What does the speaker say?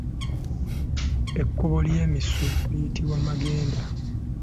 Ekkubo ly’emisu liyitibwa Magende.